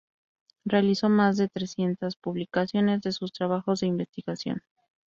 Realizó más de trescientas publicaciones de sus trabajos de investigación.